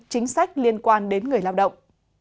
chính sách và thông tin về công tác an toàn vệ sinh lao động